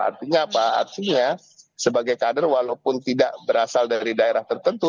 artinya apa artinya sebagai kader walaupun tidak berasal dari daerah tertentu